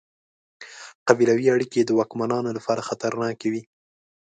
قبیلوي اړیکې یې د واکمنانو لپاره خطرناکې وې.